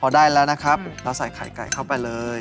พอได้แล้วนะครับเราใส่ไข่ไก่เข้าไปเลย